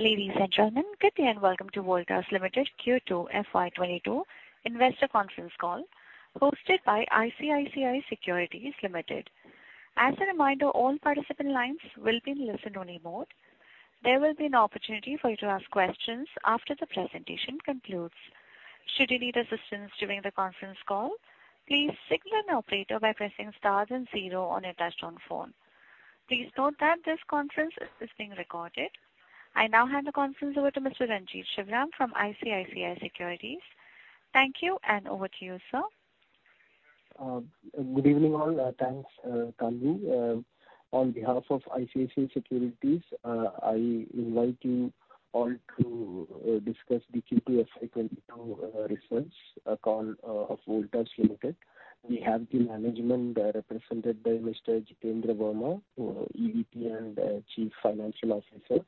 Ladies and gentlemen, good day and welcome to Voltas Limited Q2 FY 2022 investor conference call hosted by ICICI Securities Limited. As a reminder, all participant lines will be in listen only mode. There will be an opportunity for you to ask questions after the presentation concludes. Should you need assistance during the conference call, please signal an operator by pressing star and zero on your touchtone phone. Please note that this conference is being recorded. I now hand the conference over to Mr. Renjith Sivaram from ICICI Securities. Thank you, and over to you, sir. Good evening all. Thanks, Tanu. On behalf of ICICI Securities, I invite you all to discuss the Q2 FY 2022 results call of Voltas Limited. We have the management represented by Mr. Jitender Verma, EVP and Chief Financial Officer,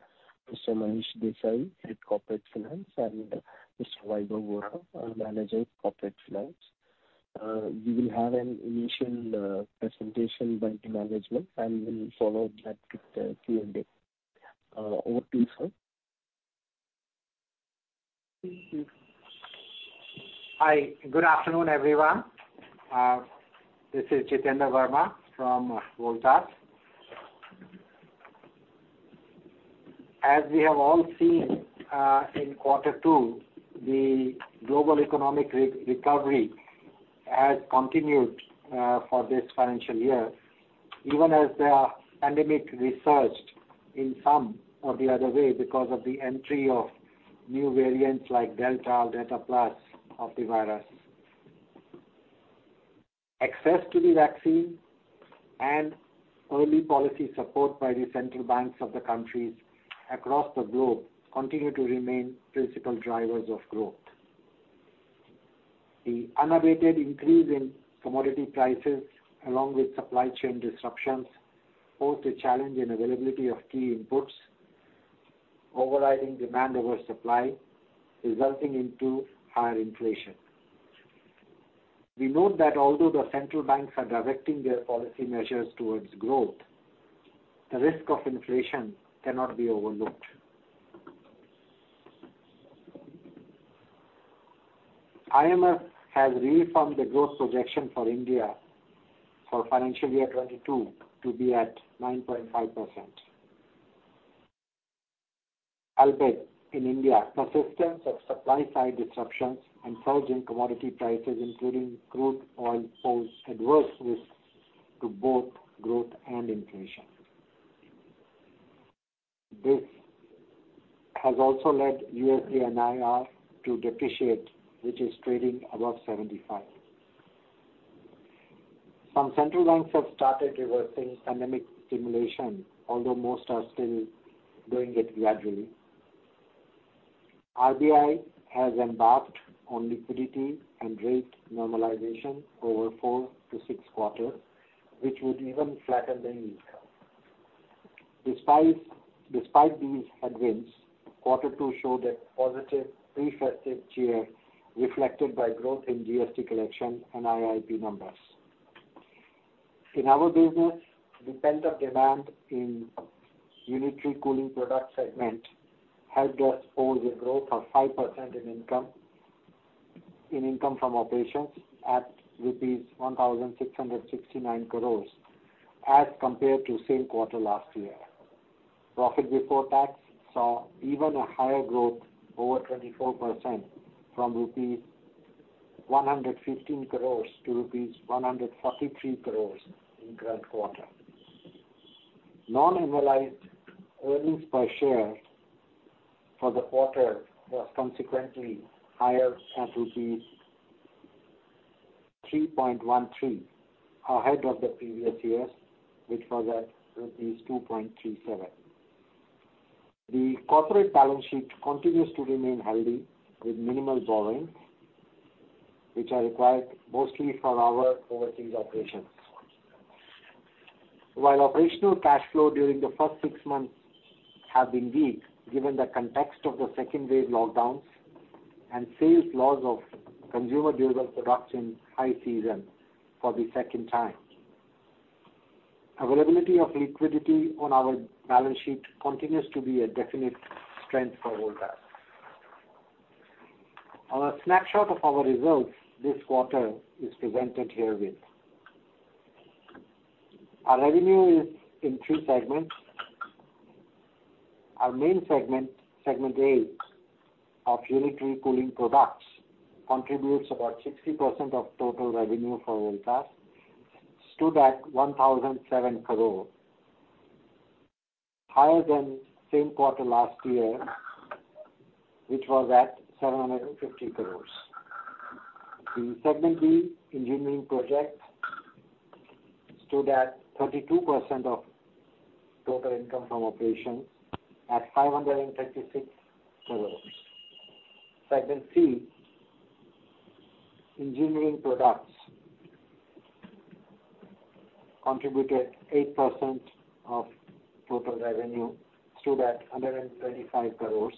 Mr. Manish Desai, Head Corporate Finance, and Mr. Vaibhav Vora, our Manager of Corporate Finance. We will have an initial presentation by the management and we'll follow that with Q&A. Over to you, sir. Hi, good afternoon, everyone. This is Jitender Verma from Voltas. As we have all seen, in quarter two, the global economic recovery has continued for this financial year, even as the pandemic resurged in some or the other way because of the entry of new variants like Delta or Delta Plus of the virus. Access to the vaccine and early policy support by the central banks of the countries across the globe continue to remain principal drivers of growth. The unabated increase in commodity prices, along with supply chain disruptions, pose a challenge in availability of key inputs, overriding demand over supply, resulting into higher inflation. We note that although the central banks are directing their policy measures towards growth, the risk of inflation cannot be overlooked. IMF has reaffirmed the growth projection for India for financial year 2022 to be at 9.5%. Albeit in India, persistence of supply side disruptions and surge in commodity prices, including crude oil, pose adverse risks to both growth and inflation. This has also led USD-INR to depreciate, which is trading above 75. Some central banks have started reversing pandemic stimulation, although most are still doing it gradually. RBI has embarked on liquidity and rate normalization over four to six quarters, which would even flatten the yield curve. Despite these headwinds, quarter two showed a positive pre-festive cheer reflected by growth in GST collection and IIP numbers. In our business, the pent-up demand in unitary cooling product segment helped us post a growth of 5% in income from operations at rupees 1,669 crores as compared to same quarter last year. Profit before tax saw even a higher growth over 24% from rupees 115 crores to rupees 143 crores in current quarter. Non-annualized earnings per share for the quarter was consequently higher at 3.13, ahead of the previous years, which was at rupees 2.37. The corporate balance sheet continues to remain healthy with minimal borrowings, which are required mostly for our overseas operations. While operational cash flow during the first six months have been weak, given the context of the second wave lockdowns and sales loss of consumer durable products in high season for the second time. Availability of liquidity on our balance sheet continues to be a definite strength for Voltas. Our snapshot of our results this quarter is presented herewith. Our revenue is in three segments. Our main segment A, of Unitary Cooling Products contributes about 60% of total revenue for Voltas, stood at 1,700 crore, higher than same quarter last year which was at 750 crore. In segment B, engineering projects stood at 32% of total income from operations at 536 crore. Segment C, engineering products contributed 8% of total revenue stood at 125 crore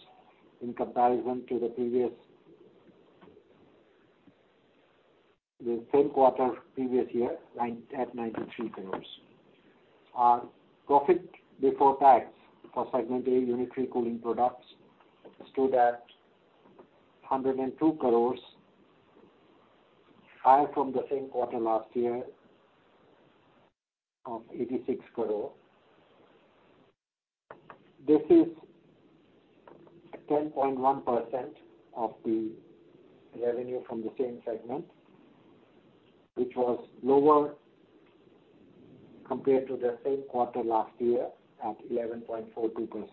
in comparison to the previous year. The same quarter previous year, at 93 crore. Our profit before tax for Segment A Unitary Cooling Products stood at 102 crore, higher from the same quarter last year of INR 86 crore. This is 10.1% of the revenue from the same segment, which was lower compared to the same quarter last year at 11.42%.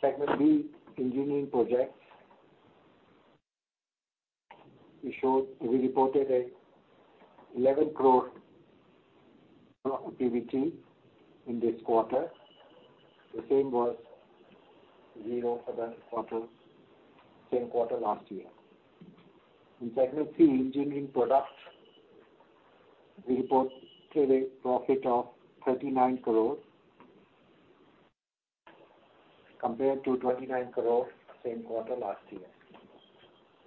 Segment B, Engineering Projects, we reported INR 11 crore PBT in this quarter. The same was zero for the quarter, same quarter last year. In Segment C, Engineering Products, we reported a profit of 39 crore compared to 29 crore same quarter last year.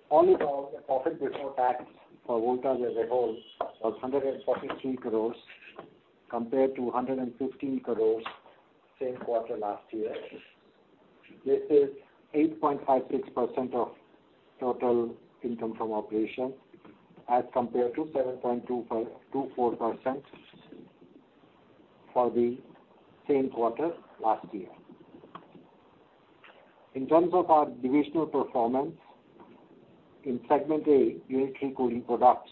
All in all, the profit before tax for Voltas as a whole was 143 crores compared to 115 crores same quarter last year. This is 8.56% of total income from operations as compared to 7.24% for the same quarter last year. In terms of our divisional performance, in Segment A, Unitary Cooling Products,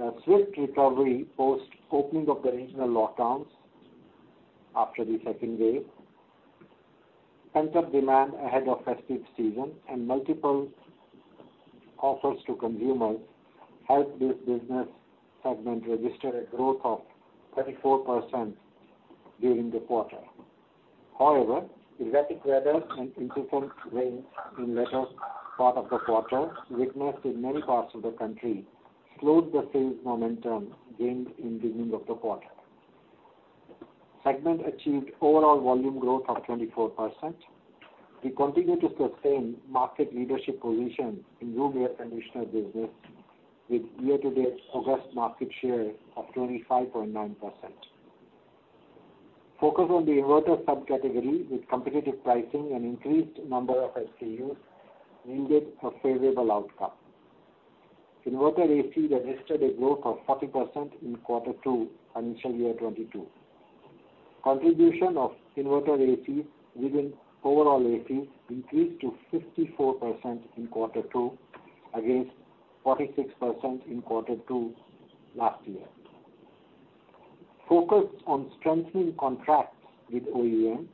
a swift recovery post opening of the regional lockdowns after the second wave, pent-up demand ahead of festive season, and multiple offers to consumers helped this business segment register a growth of 34% during the quarter. However, erratic weather and insufficient rains in latter part of the quarter witnessed in many parts of the country slowed the sales momentum gained in beginning of the quarter. Segment achieved overall volume growth of 24%. We continue to sustain market leadership position in room air conditioner business with year-to-date August market share of 25.9%. Focus on the inverter subcategory with competitive pricing and increased number of SKUs yielded a favorable outcome. Inverter AC registered a growth of 40% in quarter two, financial year 2022. Contribution of inverter AC within overall AC increased to 54% in quarter two against 46% in quarter two last year. Focus on strengthening contracts with OEM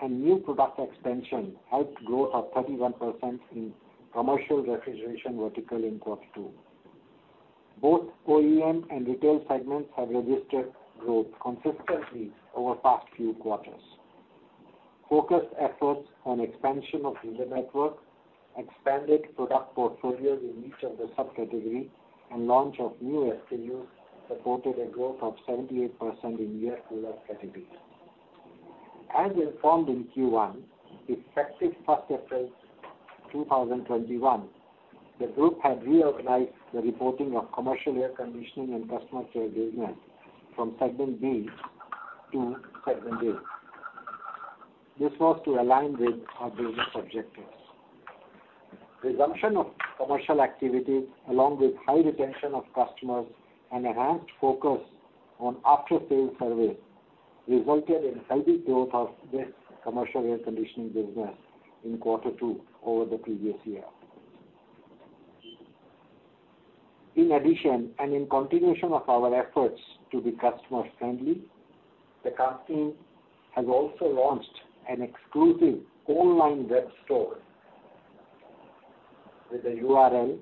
and new product expansion helped growth of 31% in commercial refrigeration vertical in quarter two. Both OEM and retail segments have registered growth consistently over past few quarters. Focused efforts on expansion of dealer network, expanded product portfolios in each of the subcategory, and launch of new SKUs supported a growth of 78% in air cooler category. As informed in Q1, effective April 1st, 2021, the group had reorganized the reporting of commercial air conditioning and customer care business from Segment B to Segment A. This was to align with our business objectives. Resumption of commercial activities along with high retention of customers and enhanced focus on after-sales service resulted in healthy growth of this commercial air conditioning business in quarter two over the previous year. In addition, in continuation of our efforts to be customer-friendly, the company has also launched an exclusive online web store with the URL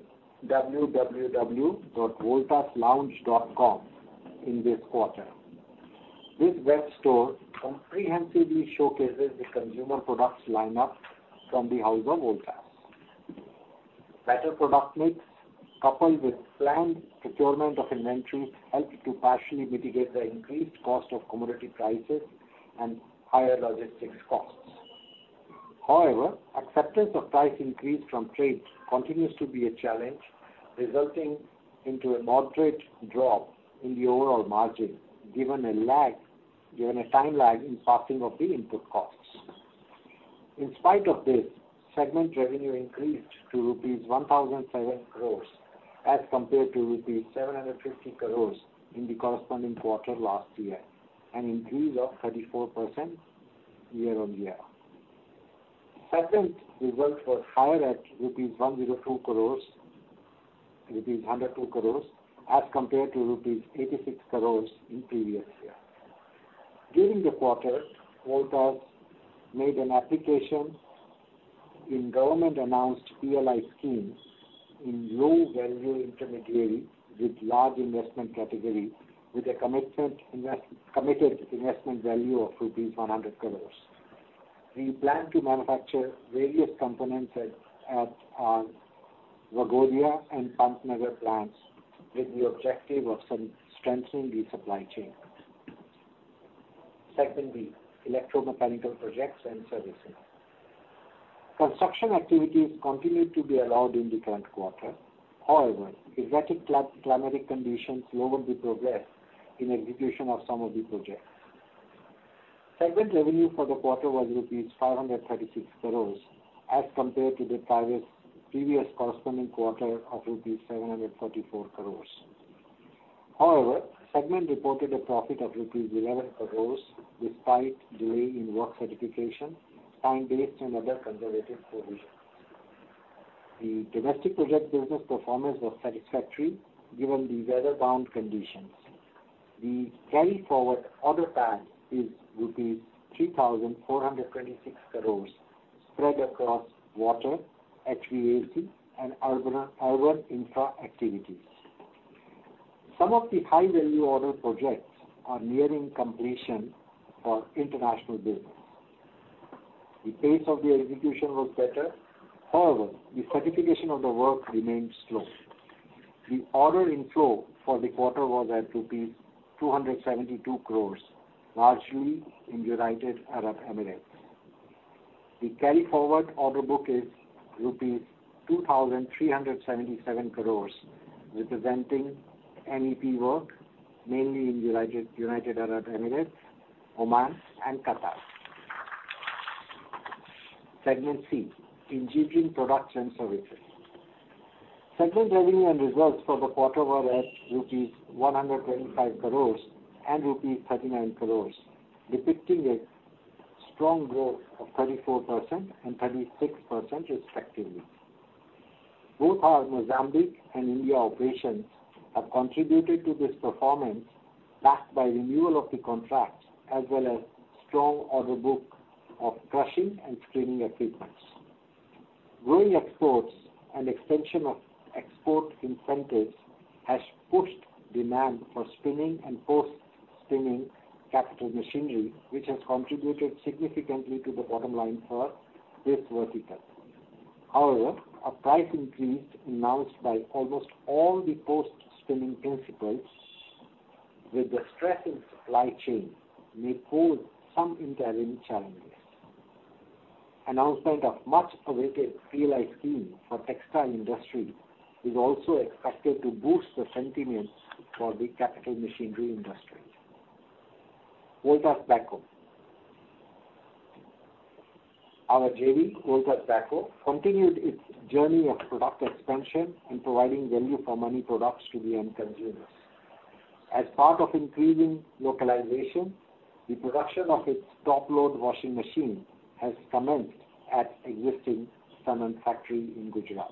www.voltaslounge.com in this quarter. This web store comprehensively showcases the consumer products lineup from the house of Voltas. Better product mix, coupled with planned procurement of inventory, helped to partially mitigate the increased cost of commodity prices and higher logistics costs. However, acceptance of price increase from trades continues to be a challenge, resulting in a moderate drop in the overall margin, given a time lag in passing of the input costs. In spite of this, segment revenue increased to rupees 1,007 crores as compared to rupees 750 crores in the corresponding quarter last year, an increase of 34% year-on-year. Segment results were higher at rupees 102 crores as compared to rupees 86 crores in previous year. During the quarter, Voltas made an application in government-announced PLI scheme in low value intermediary with large investment category, with a committed investment value of rupees 100 crores. We plan to manufacture various components at Waghodia and Pantnagar plants with the objective of strengthening the supply chain. Segment B, electromechanical projects and servicing. Construction activities continued to be allowed in the current quarter. However, erratic climatic conditions lowered the progress in execution of some of the projects. Segment revenue for the quarter was rupees 536 crores as compared to the previous corresponding quarter of rupees 734 crores. However, segment reported a profit of rupees 11 crores despite delay in work certification, time-based and other conservative provisions. The domestic project business performance was satisfactory given the weather-bound conditions. The carry-forward order path is rupees 3,426 crores spread across water, HVAC, and urban infra activities. Some of the high-value order projects are nearing completion for international business. The pace of the execution was better. However, the certification of the work remains slow. The order inflow for the quarter was at rupees 272 crore, largely in United Arab Emirates. The carry forward order book is rupees 2,377 crore, representing MEP work, mainly in United Arab Emirates, Oman, and Qatar. Segment C, engineering products and services. Segment revenue and results for the quarter were at rupees 125 crore and rupees 39 crore, depicting a strong growth of 34% and 36% respectively. Both our Mozambique and India operations have contributed to this performance, backed by renewal of the contracts as well as strong order book of crushing and screening equipment. Growing exports and extension of export incentives has pushed demand for screening and crushing capital machinery, which has contributed significantly to the bottom line for this vertical. However, a price increase announced by almost all the post-screening principals with the stress in supply chain may pose some inherent challenges. Announcement of much-awaited PLI scheme for textile industry is also expected to boost the sentiment for the capital machinery industry. Voltas Beko, our JV, Voltas Beko, continued its journey of product expansion and providing value for money products to the end consumers. As part of increasing localization, the production of its top-load washing machine has commenced at existing Sanand factory in Gujarat.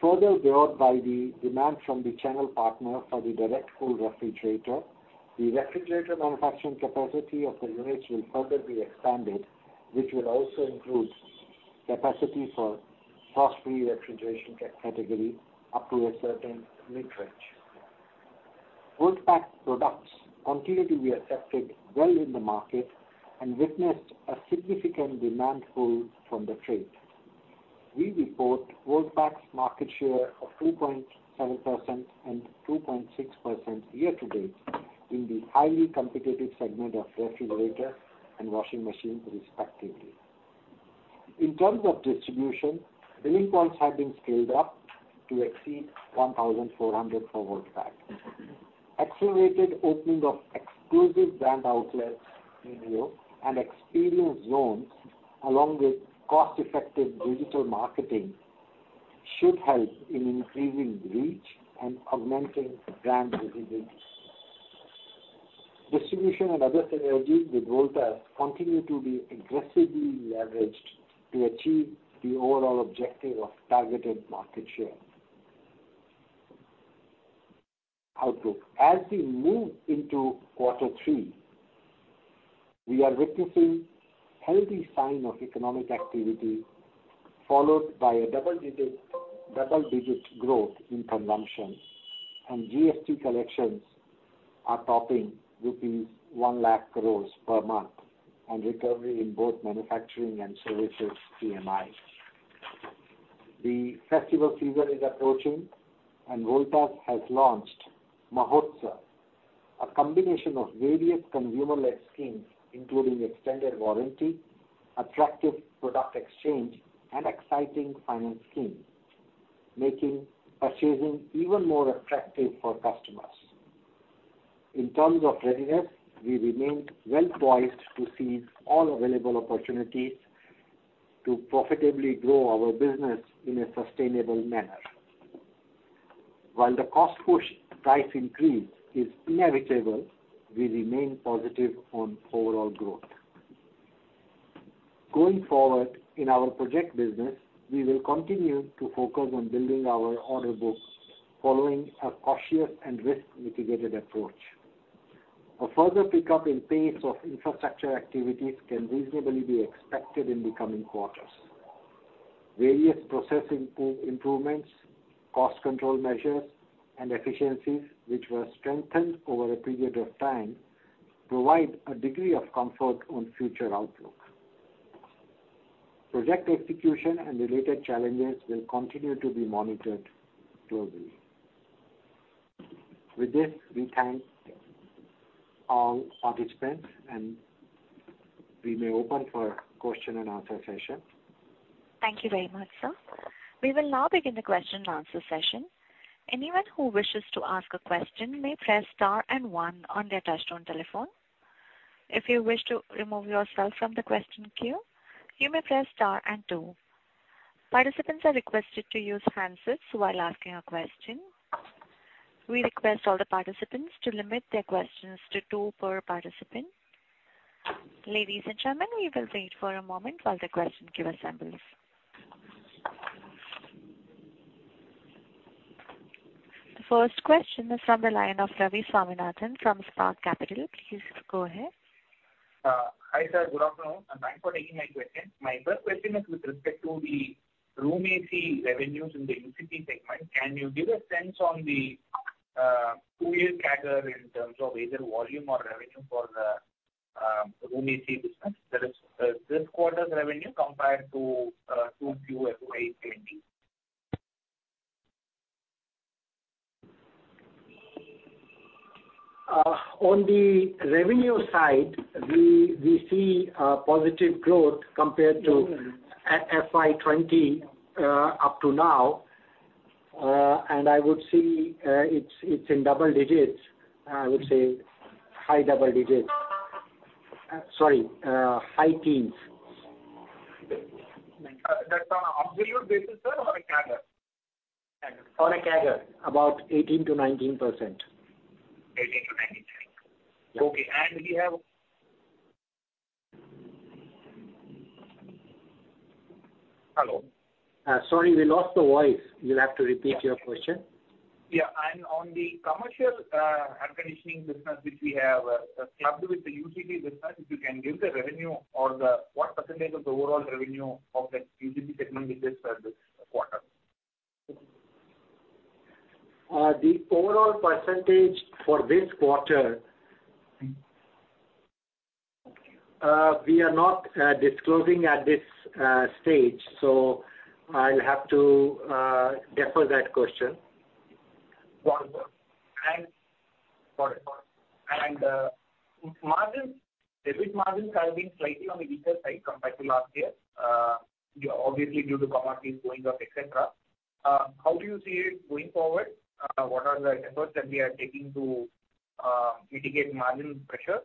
Further driven by the demand from the channel partner for the direct cool refrigerator, the refrigerator manufacturing capacity of the units will further be expanded, which will also include capacity for frost free refrigeration category up to a certain literage. Voltas products continue to be accepted well in the market and witnessed a significant demand pull from the trade. We report Voltas market share of 2.7% and 2.6% year-to-date in the highly competitive segment of refrigerator and washing machine respectively. In terms of distribution, selling points have been scaled up to exceed 1,400 for Voltas. Accelerated opening of exclusive brand outlets in here and experience zones along with cost-effective digital marketing should help in increasing reach and augmenting brand visibility. Distribution and other synergies with Voltas continue to be aggressively leveraged to achieve the overall objective of targeted market share. Outlook. As we move into quarter three, we are witnessing healthy sign of economic activity followed by a double-digit growth in consumption and GST collections are topping rupees 1 lakh crore per month on recovery in both manufacturing and services PMI. The festival season is approaching and Voltas has launched Mahotsav, a combination of various consumer-led schemes including extended warranty, attractive product exchange, and exciting finance schemes, making purchasing even more attractive for customers. In terms of readiness, we remained well poised to seize all available opportunities to profitably grow our business in a sustainable manner. While the cost-push price increase is inevitable, we remain positive on overall growth. Going forward in our project business, we will continue to focus on building our order books following a cautious and risk mitigated approach. A further pickup in pace of infrastructure activities can reasonably be expected in the coming quarters. Various process improvements, cost control measures and efficiencies which were strengthened over a period of time provide a degree of comfort on future outlook. Project execution and related challenges will continue to be monitored closely. With this, we thank all participants, and we may open for question and answer session. Thank you very much, sir. We will now begin the question and answer session. Anyone who wishes to ask a question may press star and one on their touchtone telephone. If you wish to remove yourself from the question queue, you may press star and two. Participants are requested to use handsets while asking a question. We request all the participants to limit their questions to two per participant. Ladies and gentlemen, we will wait for a moment while the question queue assembles. The first question is from the line of Ravi Swaminathan from Spark Capital. Please go ahead. Hi, sir. Good afternoon, and thanks for taking my question. My first question is with respect to the room AC revenues in the UCP segment. Can you give a sense on the two-year CAGR in terms of either volume or revenue for the room AC business? That is, this quarter's revenue compared to 2Q FY 2020. On the revenue side, we see positive growth compared to. Mm-hmm. at FY 2020 up to now. I would see it's in double digits. I would say high double digits. Sorry, high teens. That's on an absolute basis, sir, or a CAGR? On a CAGR, about 18%-19%. 18%-19%. Yeah. Okay.{audio distortion] Hello? Sorry, we lost the voice. You'll have to repeat your question. Yeah. On the commercial air conditioning business which we have clubbed with the UCP business, if you can give the revenue or what percentage of the overall revenue of the UCP segment is this for this quarter? The overall percentage for this quarter, we are not disclosing at this stage, so I'll have to defer that question. Wonderful. Margins, the gross margins have been slightly on the weaker side compared to last year, obviously due to commodities going up, et cetera. How do you see it going forward? What are the efforts that we are taking to mitigate margin pressure?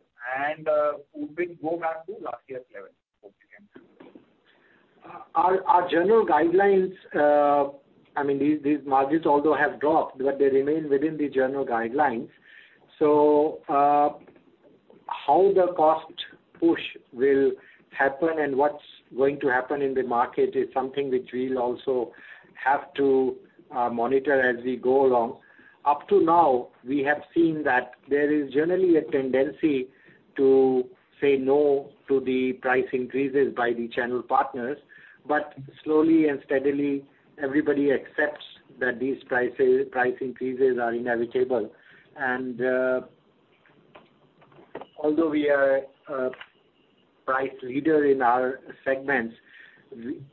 Would we go back to last year's level? Our general guidelines, I mean, these margins although have dropped, but they remain within the general guidelines. How the cost push will happen and what's going to happen in the market is something which we'll also have to monitor as we go along. Up to now, we have seen that there is generally a tendency to say no to the price increases by the channel partners. Slowly and steadily everybody accepts that these price increases are inevitable. Although we are a price leader in our segments,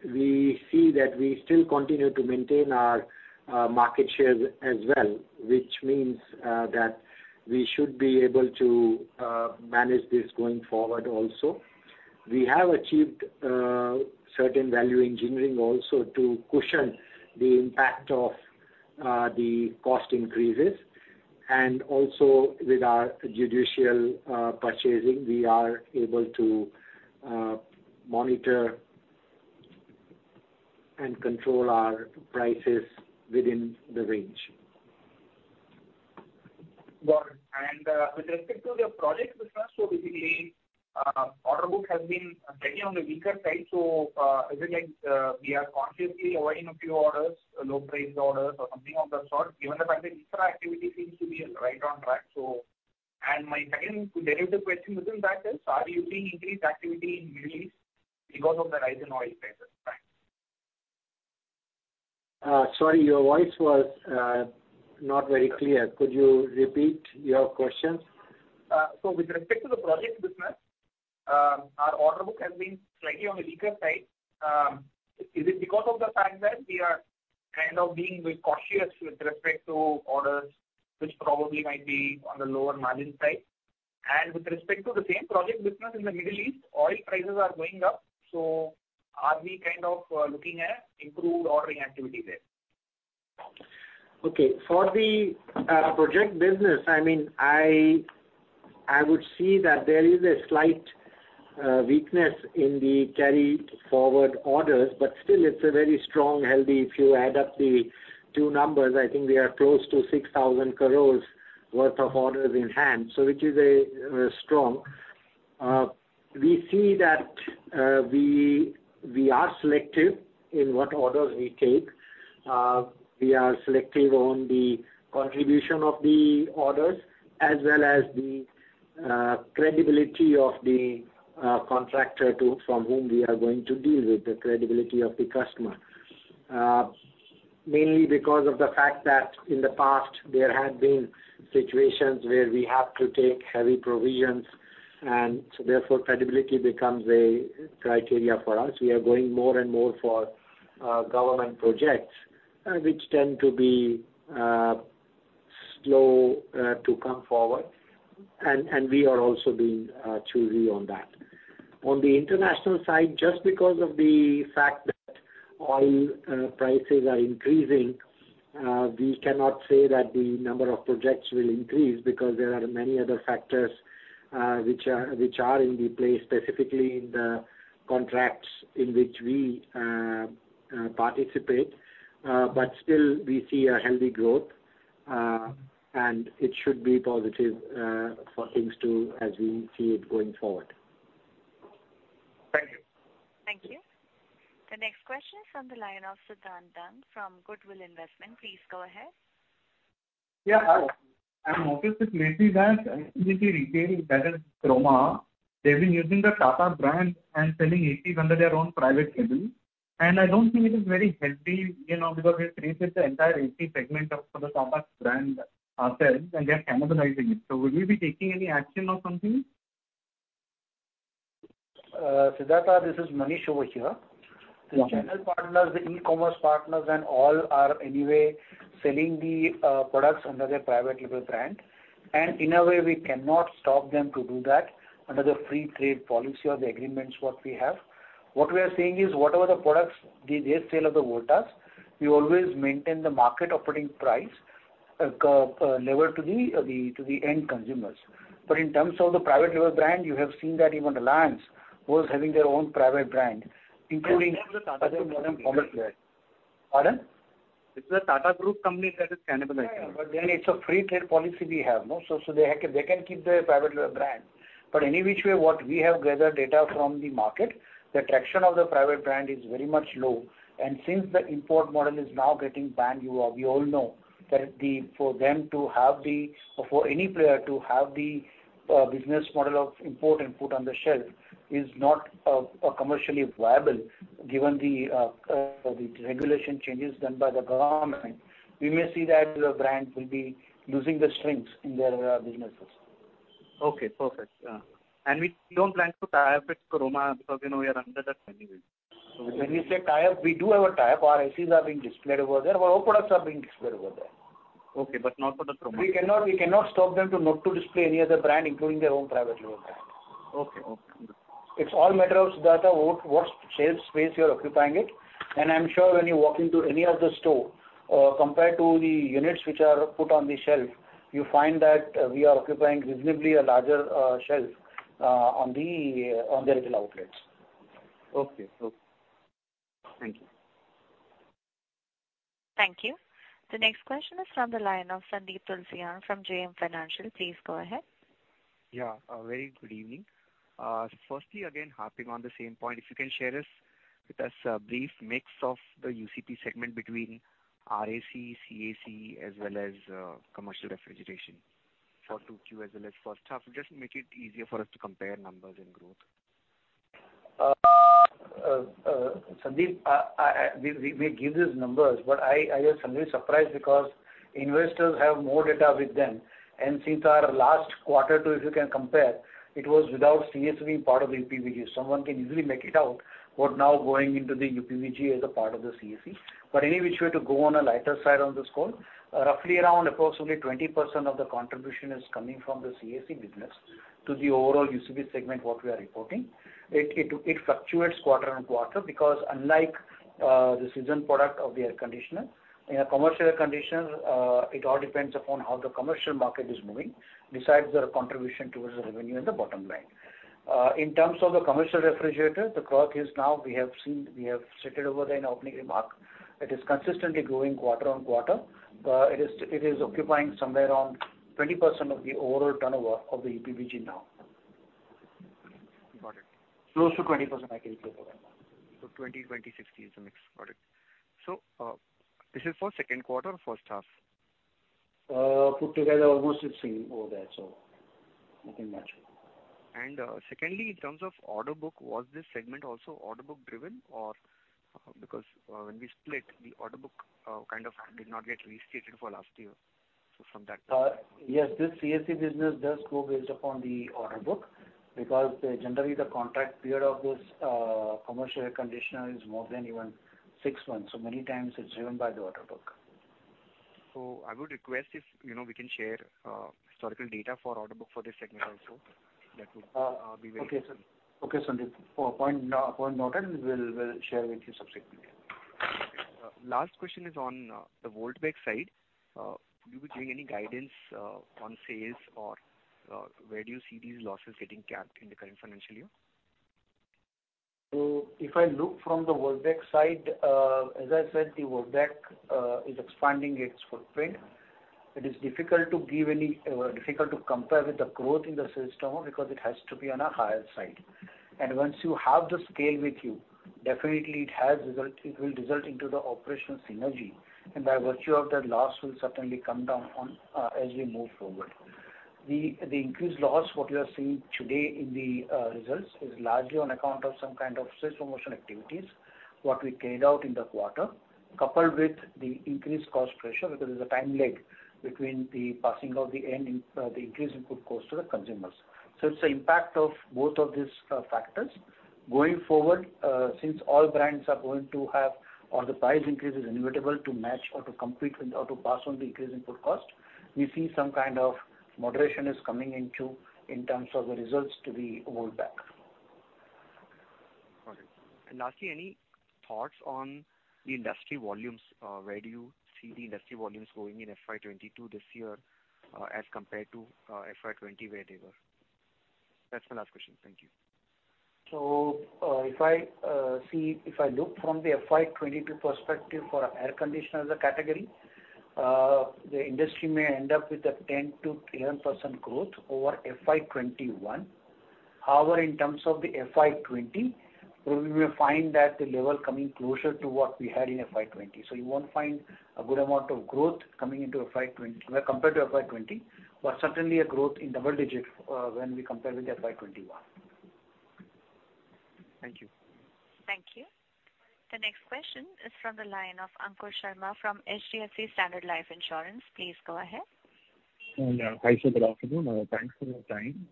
we see that we still continue to maintain our market share as well, which means that we should be able to manage this going forward also. We have achieved certain value engineering also to cushion the impact of the cost increases. With our[judicial] purchasing, we are able to monitor and control our prices within the range. Got it. With respect to the project business, basically, order book has been slightly on the weaker side. Is it like we are consciously avoiding a few orders, low priced orders or something of that sort, given the fact that export activity seems to be right on track? My second derivative question within that is, are you seeing increased activity in Middle East because of the rise in oil prices, thanks? Sorry, your voice was not very clear. Could you repeat your questions? With respect to the project business, our order book has been slightly on the weaker side. Is it because of the fact that we are kind of being a bit cautious with respect to orders which probably might be on the lower margin side? With respect to the same project business in the Middle East, oil prices are going up, so are we kind of looking at improved ordering activity there? Okay. For the project business, I mean, I would see that there is a slight weakness in the carried forward orders, but still it's a very strong, healthy. If you add up the two numbers, I think we are close to 6,000 crore worth of orders in hand, so which is a strong. We see that we are selective in what orders we take. We are selective on the contribution of the orders as well as the credibility of the contractor from whom we are going to deal with, the credibility of the customer. Mainly because of the fact that in the past there had been situations where we have to take heavy provisions, and so therefore credibility becomes a criteria for us. We are going more and more for government projects, which tend to be slow to come forward, and we are also being choosy on that. On the international side, just because of the fact that oil prices are increasing, we cannot say that the number of projects will increase because there are many other factors which are in the place, specifically in the contracts in which we participate. Still we see a healthy growth, and it should be positive for things to as we see it going forward. Thank you. Thank you. The next question is from the line of Siddhant Dang from Goodwill Investment. Please go ahead. Yeah, hi. I'm focused with retail, that is Croma. They've been using the Tata brand and selling ACs under their own private label. I don't think it is very healthy, you know, because we've created the entire AC segment of the Tata brand ourselves and they are cannibalizing it. Will you be taking any action or something? Siddhant, this is Manish over here. Yeah. The channel partners, the e-commerce partners and all are anyway selling the products under their private label brand. In a way we cannot stop them to do that under the free trade policy or the agreements what we have. What we are saying is whatever the products they sell of the Voltas, we always maintain the market operating price ceiling level to the end consumers. In terms of the private label brand, you have seen that even Reliance was having their own private brand including Yes, that's a Tata Group company. Pardon? It's a Tata Group company that is cannibalizing. Yeah, it's a free trade policy we have, no. They can keep their private label brand. Any which way, what we have gathered data from the market, the traction of the private brand is very much low. Since the import model is now getting banned, you all, we all know that for them to have, or for any player to have the business model of import and put on the shelf is not commercially viable given the regulation changes done by the government. We may see that the brands will be losing the strengths in their businesses. Okay, perfect. Yeah. We don't plan to tie up with Croma because, you know, we are under that anyway. When you say tie up, we do have a tie up. Our ACs are being displayed over there. Our products are being displayed over there. Okay, not for the Croma. We cannot stop them to not to display any other brand including their own private label brand. Okay. Okay. It's a matter of data, what sales space you are occupying. I'm sure when you walk into any of the stores, compared to the units which are put on the shelf, you find that we are occupying reasonably a larger shelf on their retail outlets. Okay. Thank you. Thank you. The next question is from the line of Sandeep Tulsyan from JM Financial. Please go ahead. Yeah, a very good evening. Firstly again harping on the same point, if you can share with us a brief mix of the UCP segment between RAC, CAC as well as commercial refrigeration for 2Q as well as first half. Just make it easier for us to compare numbers and growth. Sandeep, we give these numbers, but I was suddenly surprised because investors have more data with them and since our last quarter too if you can compare it was without CAC part of the UPBG. Someone can easily make it out. Now going into the UPBG as a part of the CAC. Any which way to go on a lighter side on this call, roughly around approximately 20% of the contribution is coming from the CAC business to the overall UPBG segment what we are reporting. It fluctuates quarter-on-quarter because unlike the seasonal product of the air conditioner, in a commercial air conditioner, it all depends upon how the commercial market is moving besides their contribution towards the revenue and the bottom line. In terms of the commercial refrigerator, the growth is now we have seen. We have stated over there in opening remark. It is consistently growing quarter-on-quarter. It is occupying somewhere around 20% of the overall turnover of the UPBG now. Got it. Close to 20% I can say for now. 20%, 60% is the mix. Got it. This is for second quarter or first half? Put together almost the same over there, so nothing much. Secondly in terms of order book, was this segment also order book driven or, because when we split the order book, kind of did not get restated for last year, so from that point? Yes, this CAC business does go based upon the order book because generally the contract period of this commercial air conditioner is more than even six months. Many times it's driven by the order book. I would request if you know we can share historical data for order book for this segment also. That would be very helpful. Okay, Sandeep. For point noted, we'll share with you subsequently. Last question is on the Voltas side. Will you be giving any guidance on sales or where do you see these losses getting capped in the current financial year? If I look from the Voltas side, as I said, the Voltas is expanding its footprint. It is difficult to compare with the growth in the system because it has to be on a higher side. Once you have the scale with you, definitely it will result into the operational synergy and by virtue of that loss will certainly come down as we move forward. The increased loss what you are seeing today in the results is largely on account of some kind of sales promotion activities, what we carried out in the quarter, coupled with the increased cost pressure, because there's a time lag between the passing of the increase input cost to the consumers. It's the impact of both of these factors. Going forward, since all brands are going to have, or the price increase is inevitable to match or to compete with or to pass on the increased input cost, we see some kind of moderation coming in terms of the results to be rolled back. Got it. Lastly, any thoughts on the industry volumes? Where do you see the industry volumes going in FY 2022 this year, as compared to FY 2020, where they were? That's my last question. Thank you. If I look from the FY 2022 perspective for air conditioner as a category, the industry may end up with a 10%-13% growth over FY 2021. However, in terms of the FY 2020, we will find that the level coming closer to what we had in FY 2020. You won't find a good amount of growth coming into FY 2020 compared to FY 2020, but certainly a growth in double digits, when we compare with the FY 2021. Thank you. Thank you. The next question is from the line of Ankur Sharma from HDFC Standard Life Insurance. Please go ahead. Hi, sir, good afternoon. Thanks for your time.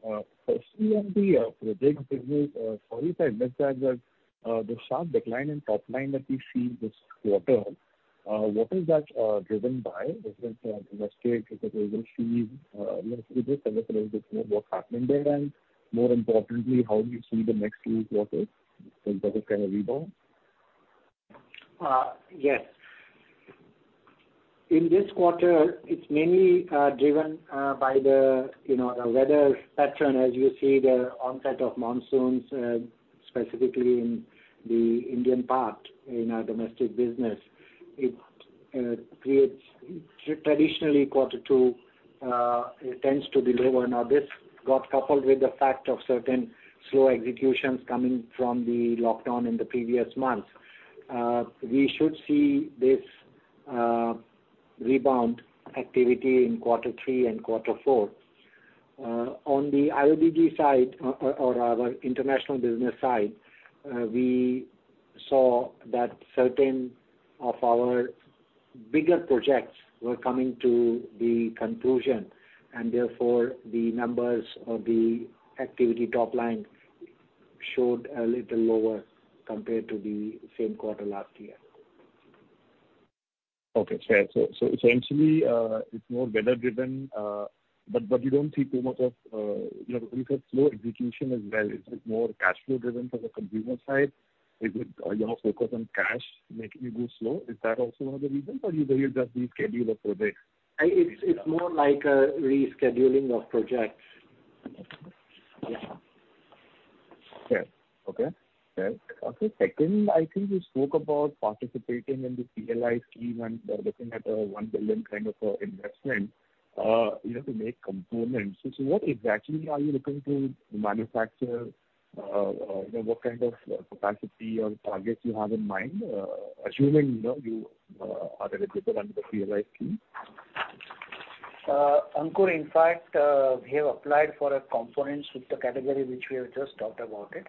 Firstly on the projects business, sorry to admit that the sharp decline in top line that we see this quarter, what is that driven by? Is it domestic? Is it overseas? Could you just tell us a little bit more what's happening there? More importantly, how do you see the next few quarters in terms of kind of rebound? Yes. In this quarter, it's mainly driven by, you know, the weather pattern as you see the onset of monsoons, specifically in the Indian part in our domestic business. It traditionally quarter two tends to be lower. Now, this got coupled with the fact of certain slow executions coming from the lockdown in the previous months. We should see this rebound activity in quarter three and quarter four. On the IBD side or our international business side, we saw that certain of our bigger projects were coming to the conclusion, and therefore the numbers or the activity top line showed a little lower compared to the same quarter last year. Okay. Fair. Essentially, it's more weather driven. You don't see too much of, you know, because slow execution as well, is it more cash flow driven from the consumer side? Is it, you know, focus on cash making you go slow? Is that also one of the reasons, or you believe that reschedule of projects? It's more like a rescheduling of projects. Yeah. Fair. Okay. Second, I think you spoke about participating in the PLI scheme and looking at 1 billion kind of investment you have to make components. What exactly are you looking to manufacture? What kind of capacity or targets you have in mind, assuming you know you are eligible under the PLI scheme? Ankur, in fact, we have applied for a component super category, which we have just talked about it.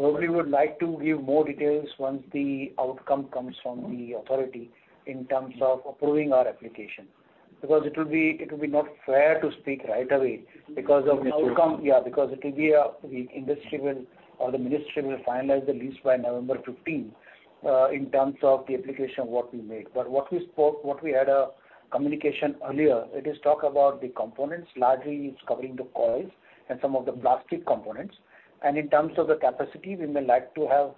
Probably would like to give more details once the outcome comes from the authority in terms of approving our application. Because it will be not fair to speak right away because of the outcome. Sure. Yeah, because it will be, the industry will or the ministry will finalize the list by November 15, in terms of the application what we made. But what we spoke, what we had a communication earlier, it is talk about the components. Largely, it's covering the coils and some of the plastic components. In terms of the capacity, we may like to have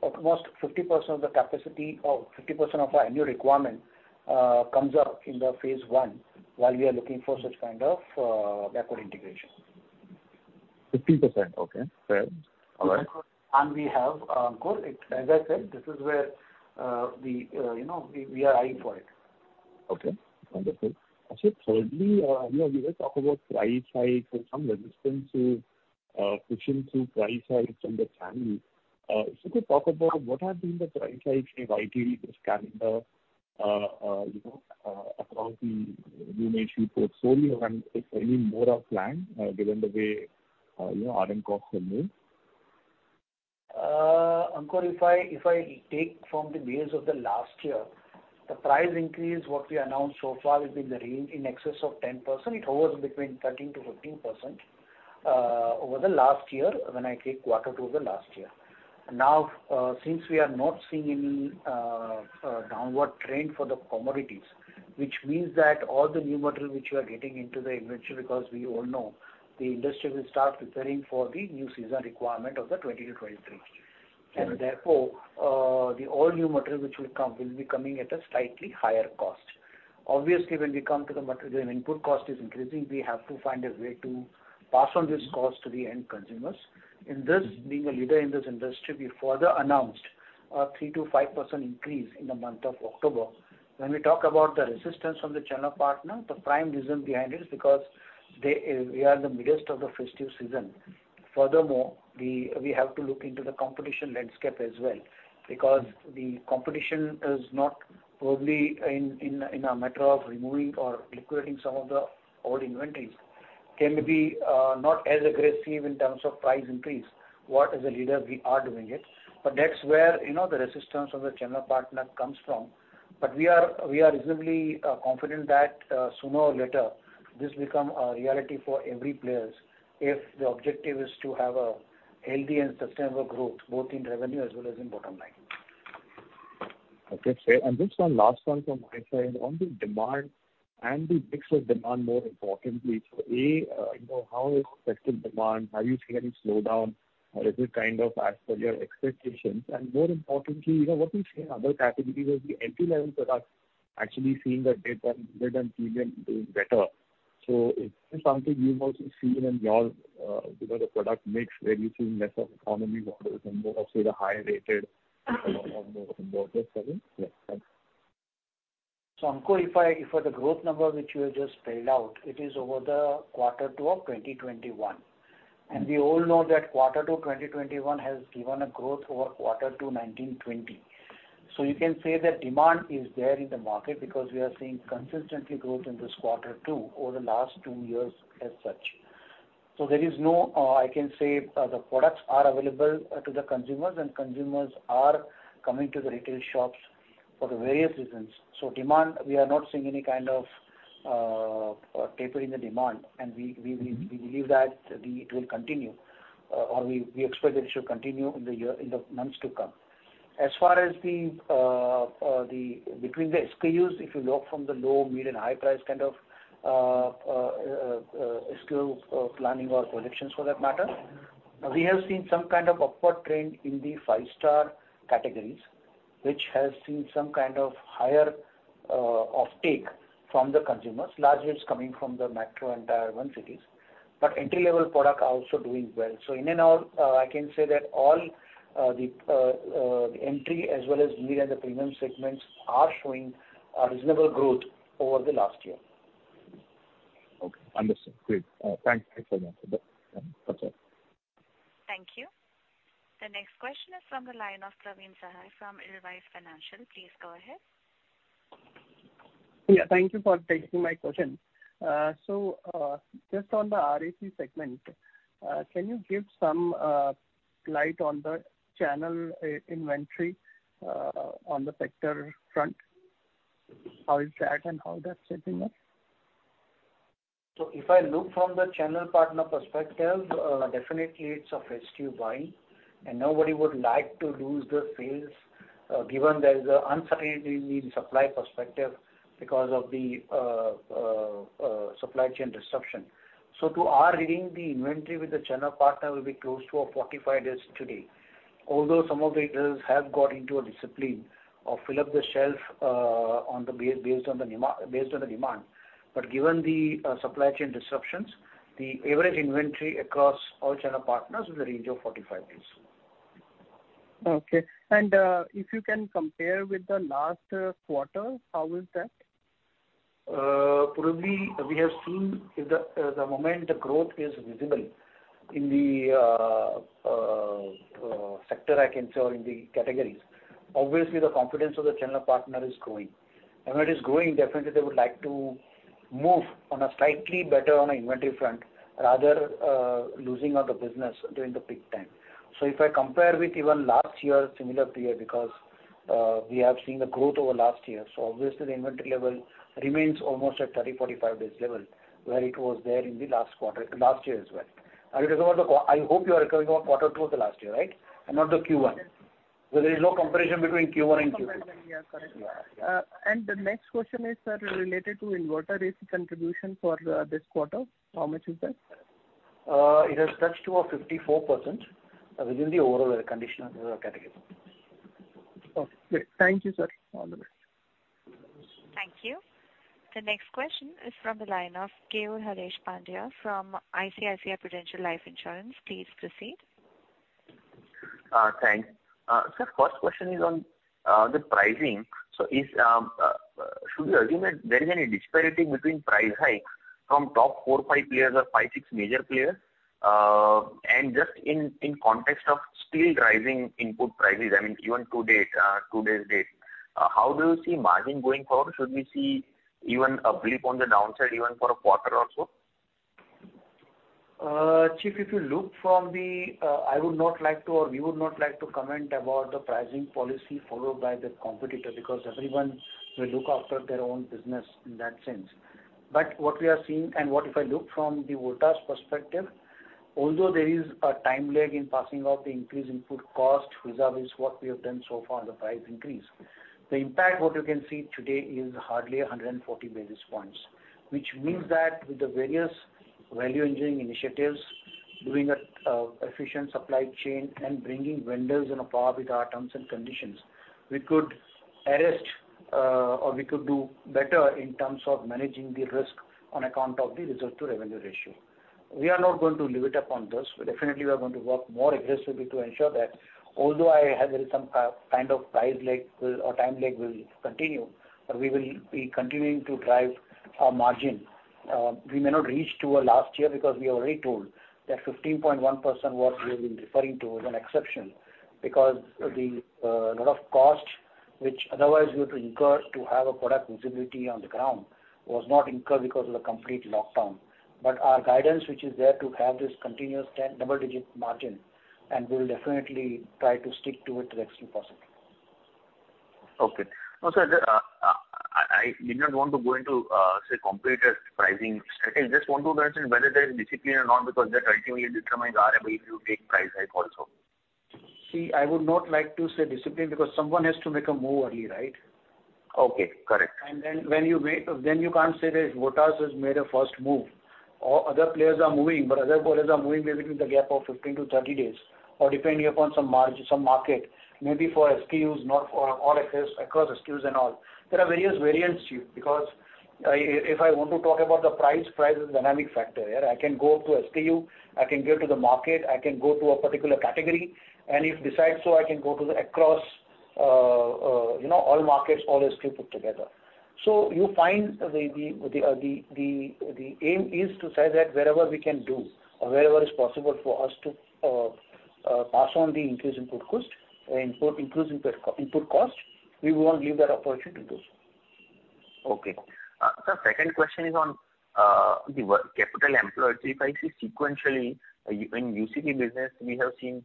almost 50% of the capacity or 50% of our annual requirement comes up in the phase one while we are looking for such kind of backward integration. 50%. Okay. Fair. All right. We have, Ankur, as I said, this is where we, you know, we are eyeing for it. Okay, wonderful. Actually, thirdly, you know, you were talking about price hikes or some resistance to pushing through price hikes from the channel. If you could talk about what have been the price hikes, say, YTD this calendar, you know, across the V-Mate portfolio and if any more are planned, given the way, you know, raw material costs have moved? Ankur, if I take from the base of the last year, the price increase what we announced so far will be in the range in excess of 10%. It hovers between 13%-15%, over the last year when I take quarter to the last year. Now, since we are not seeing any downward trend for the commodities, which means that all the new material which we are getting into the inventory, because we all know the industry will start preparing for the new season requirement of the 2022-2023. Right. Therefore, the all new material which will be coming at a slightly higher cost. Obviously, when we come to the material input cost is increasing, we have to find a way to pass on this cost to the end consumers. In this, being a leader in this industry, we further announced a 3%-5% increase in the month of October. When we talk about the resistance from the channel partner, the prime reason behind it is because we are in the midst of the festive season. Furthermore, we have to look into the competition landscape as well, because the competition is not probably in a matter of removing or liquidating some of the old inventories, can be not as aggressive in terms of price increase. What, as a leader, we are doing it, but that's where, you know, the resistance of the channel partner comes from. We are reasonably confident that sooner or later this become a reality for every players if the objective is to have a healthy and sustainable growth, both in revenue as well as in bottom line. Okay. Just one last one from my side. On the demand and the mix of demand, more importantly. A, you know, how is effective demand? Are you seeing any slowdown or is it kind of as per your expectations? More importantly, you know, what we see in other categories is the entry-level products actually seeing the mid and premium doing better. Is this something you've also seen in your, you know, the product mix where you see less of economy models and more of the higher rated models. Yeah, thanks. Ankur, if the growth number which you have just spelled out, it is over quarter two of 2021. We all know that quarter two 2021 has given a growth over quarter two 2019/2020. You can say that demand is there in the market because we are seeing consistent growth in this quarter two over the last two years as such. There is no. I can say the products are available to the consumers, and consumers are coming to the retail shops for various reasons. Demand, we are not seeing any kind of tapering the demand. We believe that it will continue or we expect that it should continue in the months to come. As far as the between the SKUs, if you look from the low, mid and high price kind of SKU planning or collections for that matter, we have seen some kind of upward trend in the five-star categories, which has seen some kind of higher offtake from the consumers, largely it's coming from the metro and Tier One cities. Entry-level product are also doing well. In and out, I can say that all the entry as well as mid and the premium segments are showing a reasonable growth over the last year. Okay, understood. Great. Thank you for that. That's all. Thank you. The next question is from the line of Praveen Sahay from Edelweiss Financial. Please go ahead. Yeah, thank you for taking my question. Just on the RAC segment, can you give some light on the channel inventory, on the sector front? How is that and how that's shaping up? If I look from the channel partner perspective, definitely it's a festive buying and nobody would like to lose the sales, given there is a uncertainty in supply perspective because of the supply chain disruption. To our reading, the inventory with the channel partner will be close to 45 days today. Although some of the retailers have got into a discipline of fill up the shelf based on the demand, given the supply chain disruptions, the average inventory across all channel partners is a range of 45 days. Okay. If you can compare with the last quarter, how is that? Probably we have seen the moment the growth is visible in the sector, I can say, or in the categories, obviously the confidence of the channel partner is growing. When it is growing, definitely they would like to move on a slightly better on a inventory front rather losing out the business during the peak time. If I compare with even last year, similar period, because we have seen the growth over last year, obviously the inventory level remains almost at 30-45 days level, where it was there in the last year as well. Are you talking about quarter two of the last year, right? Not the Q1. Yes. Where there is no comparison between Q1 and Q2. Comparison. Yeah, correct. Yeah. The next question is, sir, related to inverter AC contribution for this quarter. How much is that? It has touched 54% within the overall air conditioning category. Okay. Thank you, sir. All the best. Thank you. The next question is from the line of Keyur Harish Pandya from ICICI Prudential Life Insurance. Please proceed. Thanks. Sir, first question is on the pricing. Should we assume that there is any disparity between price hike from top four, five players or five, six major players? Just in context of steel driving input prices, I mean, even to this date, how do you see margin going forward? Should we see even a blip on the downside even for a quarter also? Chief, if you look from there, I would not like to or we would not like to comment about the pricing policy followed by the competitor because everyone will look after their own business in that sense. What we are seeing and what, if I look from the Voltas perspective, although there is a time lag in passing on the increased input cost vis-à-vis what we have done so far, the price increase, the impact that you can see today is hardly 100 basis points. Which means that with the various value engineering initiatives, doing an efficient supply chain and bringing vendors on a par with our terms and conditions, we could arrest or we could do better in terms of managing the risk on account of the cost-to-revenue ratio. We are not going to leave it upon this. We definitely are going to work more aggressively to ensure that although I have a little some kind of price lag or time lag will continue, but we will be continuing to drive our margin. We may not reach to our last year because we already told that 15.1% what we have been referring to is an exception because the lot of cost which otherwise we would incur to have a product visibility on the ground was not incurred because of the complete lockdown. Our guidance, which is there to have this continuous 10 double-digit margin, and we'll definitely try to stick to it to the extent possible. Okay. No, sir, I did not want to go into, say, competitor pricing. I just want to understand whether there is discipline or not because that ultimately will determine the RM if you take price hike also. See, I would not like to say discipline because someone has to make a move early, right? Okay. Correct. When you make, you can't say that Voltas has made a first move or other players are moving, but other players are moving maybe with a gap of 15-30 days or depending upon some market, maybe for SKUs, not for all across SKUs and all. There are various variants here because if I want to talk about the price is a dynamic factor. Yeah, I can go to SKU, I can go to the market, I can go to a particular category, and if I decide so, I can go to the across, you know, all markets, all SKU put together. You find the aim is to say that wherever we can do or wherever is possible for us to pass on the increase in input cost, we won't leave that opportunity to do so. Okay, sir, second question is on the working capital employed. If I see sequentially, in UCP business we have seen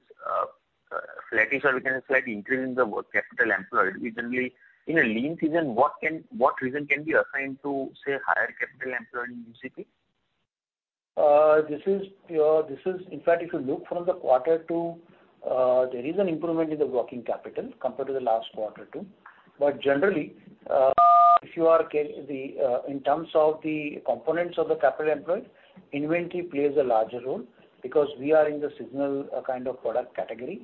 flattish or we can say slight increase in the working capital employed. Generally, in a lean season, what reason can be assigned to, say, higher capital employed in UCP? This is in fact, if you look from the quarter two, there is an improvement in the working capital compared to the last quarter two. Generally, in terms of the components of the capital employed, inventory plays a larger role because we are in the seasonal kind of product category.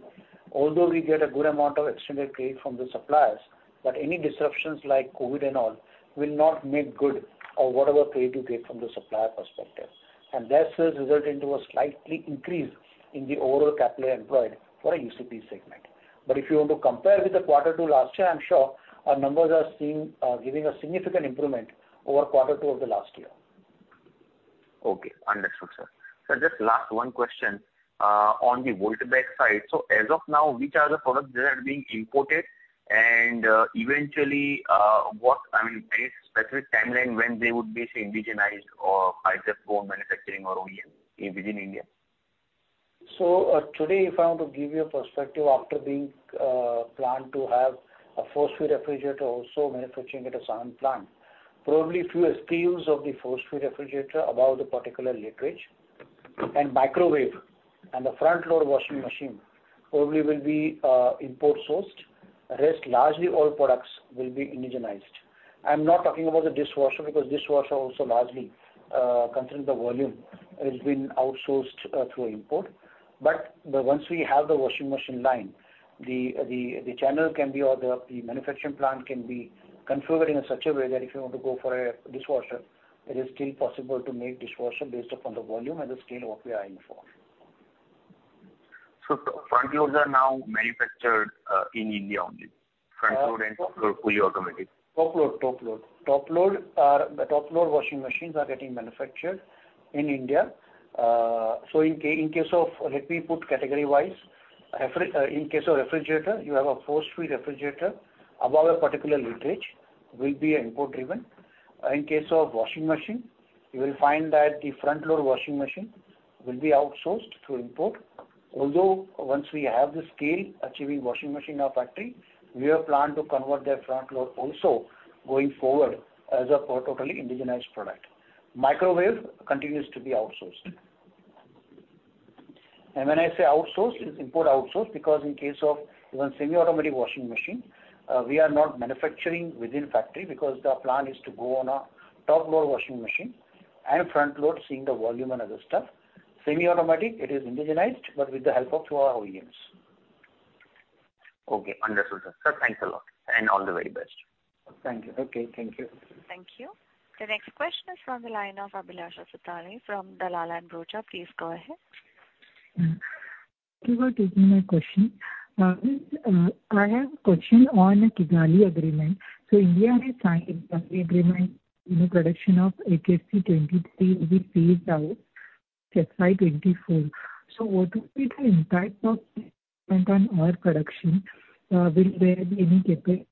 Although we get a good amount of extended credit from the suppliers, but any disruptions like COVID and all will not make good use of whatever credit you get from the supplier perspective. That will result in a slight increase in the overall capital employed for a UCP segment. If you want to compare with the quarter two last year, I'm sure our numbers are giving a significant improvement over quarter two of the last year. Okay. Understood, sir. Sir, just last one question on the Voltas side. As of now, which are the products that are being imported? And, eventually, what, I mean, any specific timeline when they would be, say, indigenized or either own manufacturing or OEM within India? Today, if I want to give you a perspective after the plan to have a frost-free refrigerator also manufacturing at a Sanand plant, probably few SKUs of the frost-free refrigerator above the particular literage and microwave and the front load washing machine probably will be import sourced. Rest, largely all products will be indigenized. I'm not talking about the dishwasher because dishwasher also largely, considering the volume has been outsourced through import. But once we have the washing machine line, the channel can be or the manufacturing plant can be configured in such a way that if you want to go for a dishwasher, it is still possible to make dishwasher based upon the volume and the scale what we are in for. Front loads are now manufactured in India only. Front load and top load, fully automatic. Top load washing machines are getting manufactured in India. In case of refrigerator, you have a frost-free refrigerator above a particular literage will be import driven. In case of washing machine, you will find that the front load washing machine will be outsourced through import. Although once we have the scale achieving washing machine in our factory, we have planned to convert that front load also going forward as a totally indigenized product. Microwave continues to be outsourced. When I say outsourced, it's import outsource because in case of even semi-automatic washing machine, we are not manufacturing within factory because the plan is to go on a top load washing machine and front load, seeing the volume and other stuff. Semi-automatic, it is indigenized, but with the help of our OEMs. Okay. Understood, sir. Sir, thanks a lot and all the very best. Thank you. Okay. Thank you. Thank you. The next question is from the line of Abhilasha Satale from Dalal & Broacha. Please go ahead. Thank you for taking my question. I have a question on the Kigali Agreement. India has signed Kigali Agreement. You know, production of HFC-23 will be phased out by 2024. What will be the impact of this agreement on our production? Will there be any capacity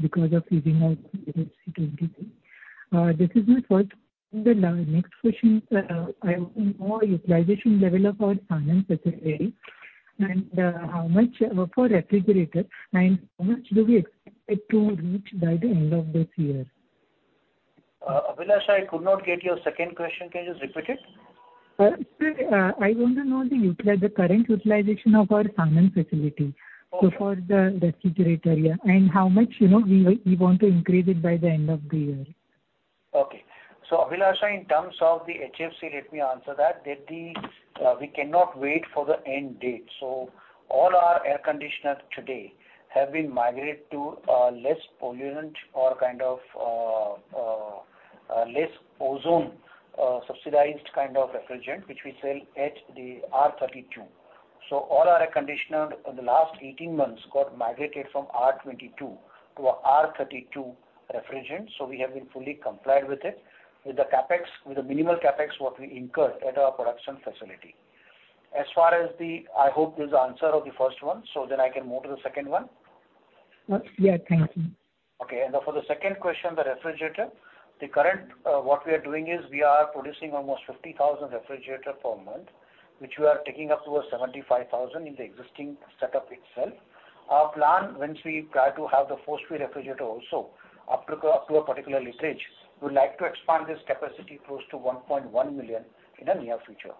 because of phasing out HFC-23? This is my first question. The next question, I want to know utilization level of our Sanand facility and, how much for refrigerator and how much do we expect it to reach by the end of this year? Abhilasha, I could not get your second question. Can you just repeat it? Sir, I want to know the current utilization of our Sanand facility? For the refrigerator, yeah. How much, you know, we want to increase it by the end of the year. Okay. Abhilasha, in terms of the HFC, let me answer that. We cannot wait for the end date. All our air conditioner today have been migrate to less pollutant or kind of less ozone subsidized kind of refrigerant, which we sell at the R32. All our air conditioner in the last 18 months got migrated from R22 to a R32 refrigerant, so we have been fully complied with it, with the CapEx, with the minimal CapEx what we incurred at our production facility. As far as the, I hope this is the answer of the first one, so then I can move to the second one. Yeah. Thank you. Okay. For the second question, the refrigerator. Currently, what we are doing is we are producing almost 50,000 refrigerators per month, which we are taking up to 75,000 in the existing setup itself. Our plan, once we try to have the four-door refrigerator also up to a particular linkage, we'd like to expand this capacity close to 1.1 million in the near future.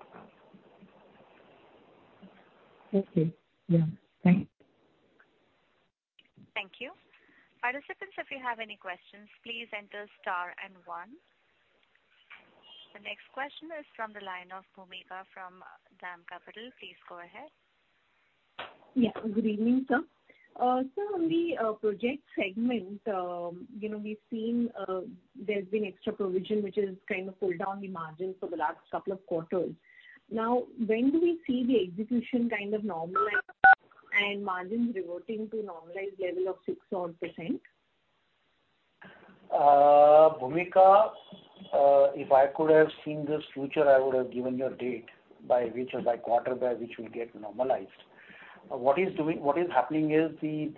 Okay. Yeah. Thank you. Thank you. Participants, if you have any questions, please enter star and one. The next question is from the line of Bhoomika from DAM Capital. Please go ahead. Good evening, sir. On the project segment, you know, we've seen there's been extra provision which has kind of pulled down the margins for the last couple of quarters. Now, when do we see the execution kind of normalize and margins reverting to normalized level of 6 odd percent? Bhoomika, if I could have seen this future, I would have given you a date by which or by quarter by which we'll get normalized. What is happening is the,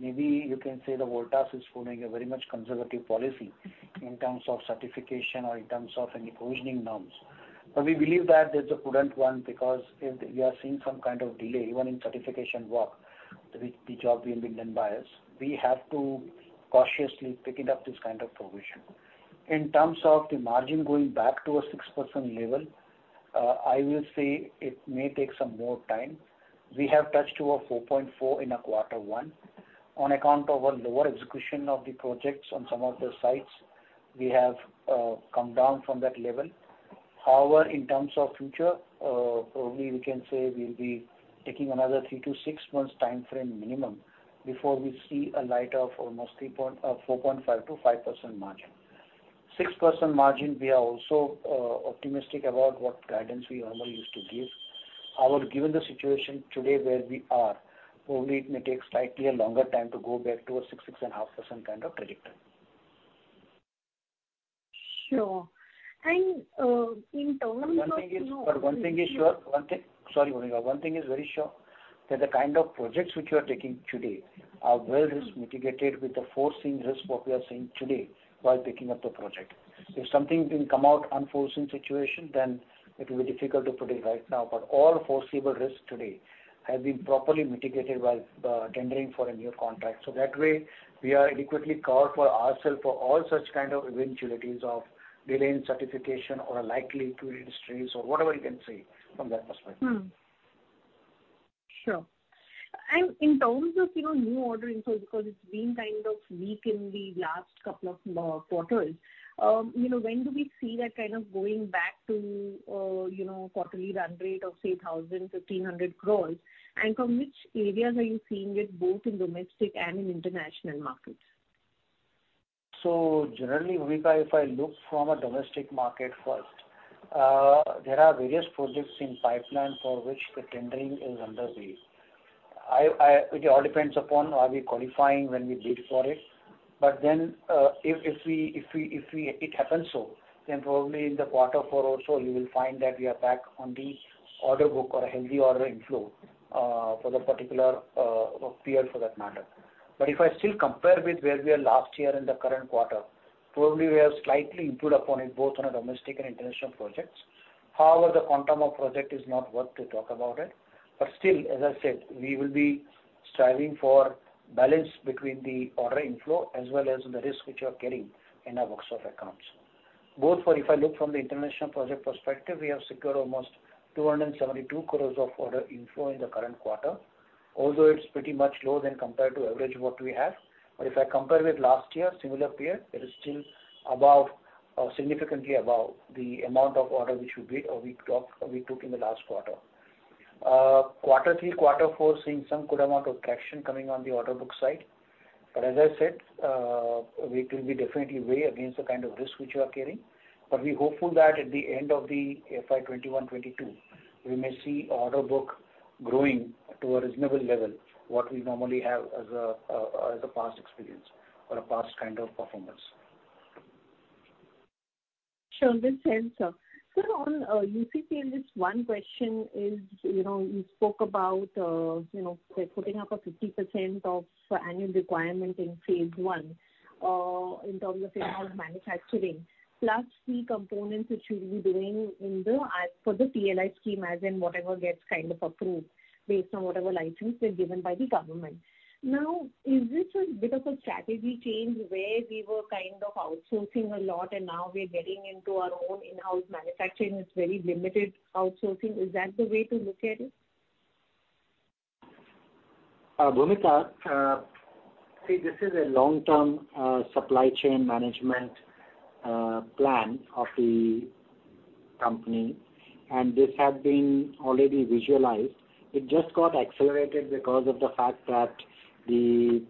maybe you can say Voltas is following a very much conservative policy in terms of certification or in terms of any provisioning norms. But we believe that there's a prudent one because if we are seeing some kind of delay, even in certification work, the job being done by us, we have to cautiously picking up this kind of provision. In terms of the margin going back to a 6% level, I will say it may take some more time. We have touched to a 4.4% in our quarter one. On account of our lower execution of the projects on some of the sites, we have come down from that level. However, in terms of future, probably we can say we'll be taking another three to six months timeframe minimum before we see a light of 4.5%-5% margin. 6% margin, we are also optimistic about what guidance we normally used to give. However, given the situation today where we are, probably it may take slightly a longer time to go back to a 6%, 6.5% kind of trajectory. Sure. In terms of, you know Sorry, Bhoomika. One thing is very sure, that the kind of projects which we are taking today are well risk mitigated with the foreseen risk what we are seeing today while picking up the project. If something didn't come out unforeseen situation, then it will be difficult to predict right now. All foreseeable risk today has been properly mitigated while tendering for a new contract. That way, we are adequately covered for ourself for all such kind of eventualities of delay in certification or a likely to industries or whatever you can say from that perspective. Sure. In terms of, you know, new ordering, so because it's been kind of weak in the last couple of quarters, you know, when do we see that kind of going back to, you know, quarterly run rate of say 1,000-1,500 crore? From which areas are you seeing it, both in domestic and in international markets? Generally, Bhoomika, if I look from a domestic market first, there are various projects in pipeline for which the tendering is underway. It all depends upon are we qualifying when we bid for it. If it happens so, then probably in the quarter four or so you will find that we are back on the order book or a healthy order inflow for the particular period for that matter. If I still compare with where we are last year in the current quarter, probably we have slightly improved upon it both on a domestic and international projects. However, the quantum of project is not worth to talk about it. Still, as I said, we will be striving for balance between the order inflow as well as the risk which we are carrying in our books of accounts. If I look from the international project perspective, we have secured almost 272 crore of order inflow in the current quarter. Although it's pretty much lower than compared to average what we have. If I compare with last year, similar period, it is still above, significantly above the amount of order which we bid or we took in the last quarter three, quarter four, seeing some good amount of traction coming on the order book side. As I said, we will be definitely weigh against the kind of risk which we are carrying. We are hopeful that at the end of the FY 2021/2022, we may see order book growing to a reasonable level, what we normally have as a past experience or a past kind of performance. Sure. Makes sense, sir. Sir, on UCP, this one question is, you know, you spoke about, you know, putting up 50% of annual requirement in phase I, in terms of in-house manufacturing, plus the components which you'll be doing for the PLI scheme, as in whatever gets kind of approved based on whatever license is given by the government. Now, is this a bit of a strategy change where we were kind of outsourcing a lot and now we're getting into our own in-house manufacturing with very limited outsourcing? Is that the way to look at it? Bhoomika, see this is a long-term supply chain management plan of the Company, and this have been already visualized. It just got accelerated because of the fact that the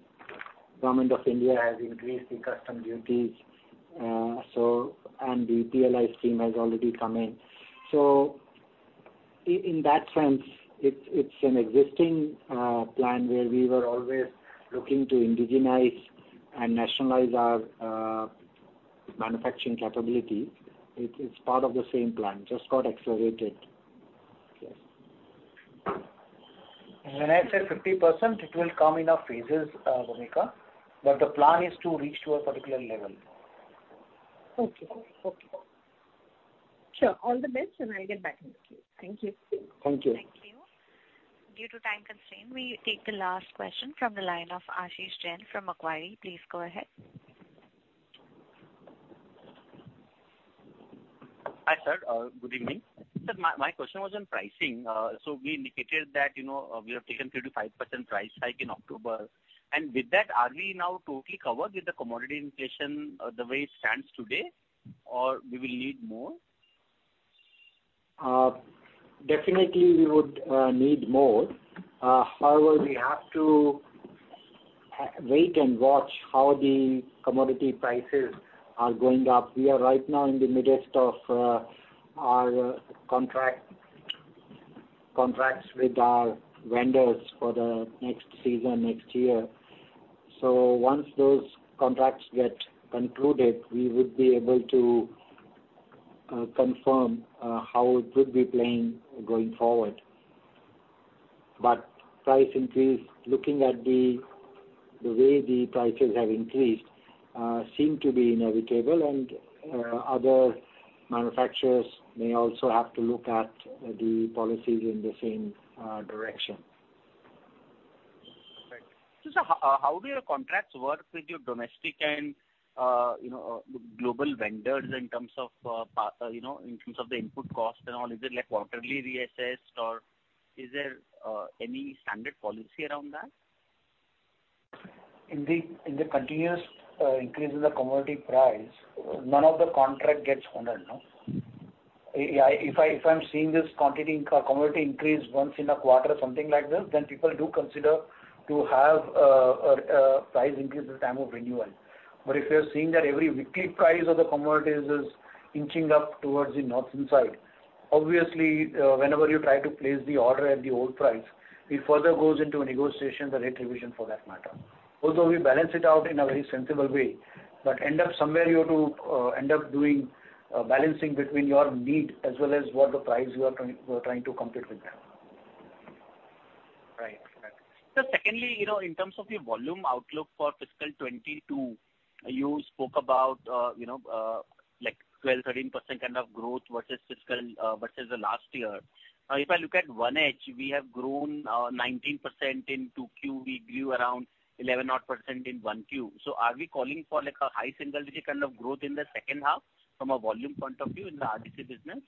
government of India has increased the customs duties, and the PLI scheme has already come in. In that sense, it's an existing plan where we were always looking to indigenize and nationalize our manufacturing capability. It is part of the same plan, just got accelerated. Yes. When I say 50%, it will come in phases, Bhoomika, but the plan is to reach to a particular level. Okay. Sure. All the best, and I'll get back with you. Thank you. Thank you. Thank you. Due to time constraint, we take the last question from the line of Ashish Jain from Macquarie. Please go ahead. Hi, sir. Good evening. Sir, my question was on pricing. So we indicated that, you know, we have taken 3%-5% price hike in October. With that, are we now totally covered with the commodity inflation, the way it stands today, or we will need more? Definitely we would need more. However, we have to wait and watch how the commodity prices are going up. We are right now in the midst of our contracts with our vendors for the next season, next year. So once those contracts get concluded, we would be able to confirm how it would be playing going forward. Price increase, looking at the way the prices have increased, seem to be inevitable and other manufacturers may also have to look at the policies in the same direction. Right. Sir, how do your contracts work with your domestic and, you know, global vendors in terms of, you know, in terms of the input cost and all? Is it like quarterly reassessed or is there any standard policy around that? In the continuous increase in the commodity price, none of the contract gets honored, no. If I'm seeing this continuity in commodity increase once in a quarter or something like this, then people do consider to have a price increase at the time of renewal. If you're seeing that every weekly price of the commodities is inching up towards the upside, obviously, whenever you try to place the order at the old price, it further goes into a negotiation, the rate revision for that matter. Also, we balance it out in a very sensible way, but end up somewhere you have to end up doing balancing between your need as well as what the price you are trying to compete with them. Right. Secondly, you know, in terms of your volume outlook for fiscal 2022, you spoke about, you know, like 12%, 13% kind of growth versus fiscal versus the last year. Now, if I look at 1H, we have grown 19% in 2Q. We grew around 11 odd percent in 1Q. Are we calling for like a high single digit kind of growth in the second half from a volume point of view in the RDC business?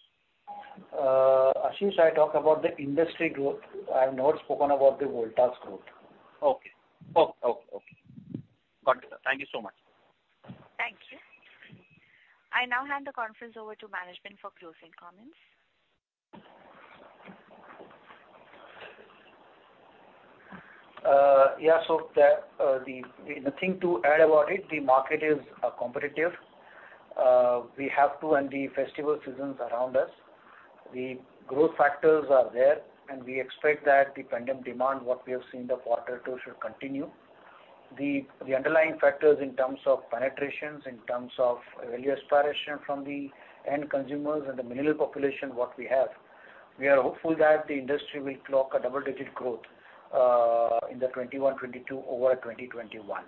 Ashish, I talk about the industry growth. I have not spoken about the Voltas growth. Okay. Got it, sir. Thank you so much. Thank you. I now hand the conference over to management for closing comments. The thing to add about it, the market is competitive and the festival seasons around us. The growth factors are there, and we expect that the pending demand that we have seen in quarter two should continue. The underlying factors in terms of penetrations, in terms of rising aspiration from the end consumers and the rural population that we have, we are hopeful that the industry will clock a double-digit growth in the 2021/2022 over 2021.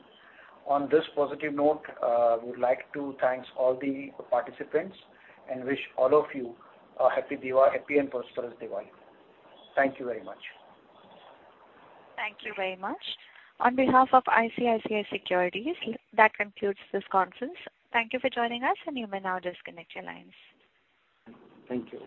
On this positive note, we'd like to thank all the participants and wish all of you a happy and prosperous Diwali. Thank you very much. Thank you very much. On behalf of ICICI Securities, that concludes this conference. Thank you for joining us, and you may now disconnect your lines. Thank you.